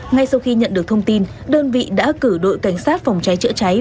ngay sau khi nhận được thông tin đơn vị đã cử đội cảnh sát phòng cháy chữa cháy